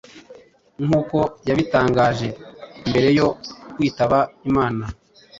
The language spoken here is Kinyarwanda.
nkuko yabitangaje mbere yo kwitaba Imana